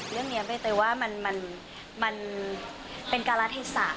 เรื่องนี้ใบเตยว่ามันเป็นการรัฐเทศะ